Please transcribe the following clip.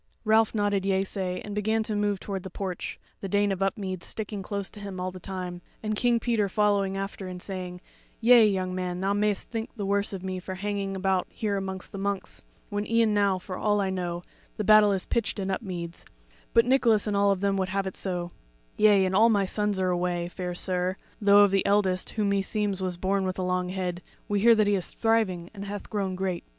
Ralph nodded yeasay and began to move toward the porch, the Dame of Upmeads sticking close to him all the time, and King Peter following after and saying: "Yea, young man, thou mayst think the worse of me for hanging about here amongst the monks, when e'en now, for all I know, the battle is pitched in Upmeads; but Nicholas and all of them would have it so Yea, and all my sons are away, fair sir; though of the eldest, who meseems was born with a long head, we hear that he is thriving, and hath grown great."